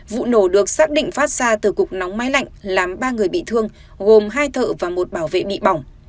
vụ nổ được xác định phát ra từ cục nóng máy lạnh làm ba người bị thương gồm hai thợ và một bảo vệ bị bỏng